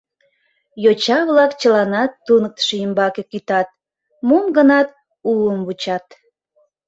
Йоча-влак чыланат туныктышо ӱмбаке кӱтат, мом-гынат уым вучат.